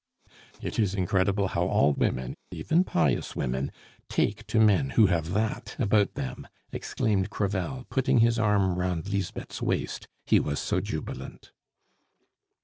"It is incredible how all women, even pious women, take to men who have that about them!" exclaimed Crevel, putting his arm round Lisbeth's waist, he was so jubilant.